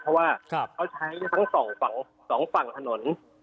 เพราะว่าเขาใช้ทั้งสองฝั่งถนน